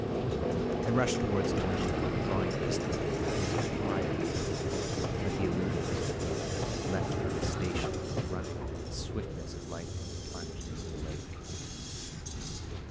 I rushed towards the window, and drawing a pistol from my bosom, fired; but he eluded me, leaped from his station, and running with the swiftness of lightning, plunged into the lake.